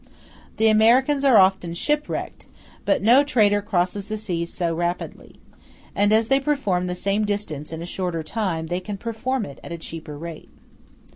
The Americans are often shipwrecked, but no trader crosses the seas so rapidly. And as they perform the same distance in a shorter time, they can perform it at a cheaper rate.